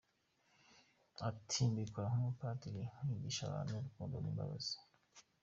Ati “Mbikora nk’umupadiri, nkigisha abantu urukundo n’imbabazi.